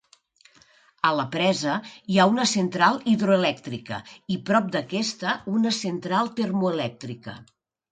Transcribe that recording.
A la presa hi ha una central hidroelèctrica i prop d'aquesta, una central termoelèctrica.